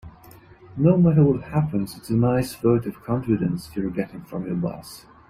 No matter what happens, it's a nice vote of confidence you're getting from your boss.